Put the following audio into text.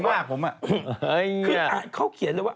มากผมอ่ะ